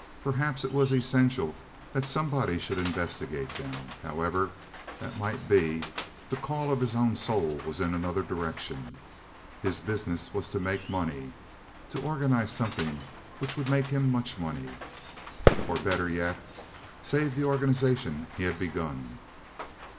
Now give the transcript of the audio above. Perhaps it was essential that somebody should investigate them. However that might be, the call of his own soul was in another direction. His business was to make money—to organize something which would make him much money, or, better yet, save the organization he had begun.